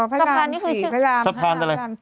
พระรัมน์๔พระรามพระราม๗